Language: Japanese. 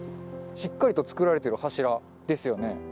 しっかりと作られている柱ですよ